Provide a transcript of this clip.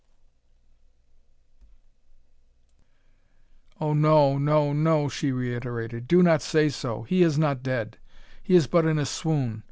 "Oh, no, no, no!" she reiterated, "do not say so he is not dead he is but in a swoon.